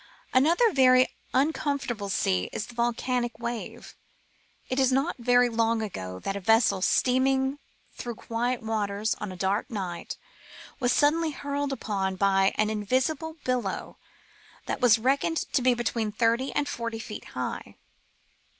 Another very uncomfortable sea is the volcanic wave. It is not very long ago that a vessel steaming through quiet waters on a dark night was suddenly hurled up by an invisible billow that was reckoned to be between thirty and forty feet high.